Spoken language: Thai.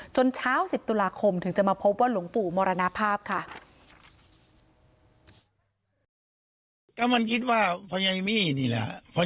เช้า๑๐ตุลาคมถึงจะมาพบว่าหลวงปู่มรณภาพค่ะ